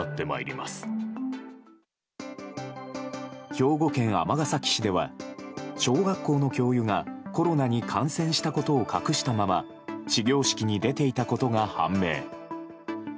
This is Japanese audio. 兵庫県尼崎市では小学校の教諭がコロナに感染したことを隠したまま始業式に出ていたことが判明。